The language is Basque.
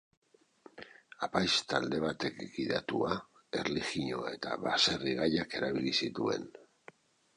Apaiz talde batek gidatua, erlijioa eta baserri gaiak erabili zituen.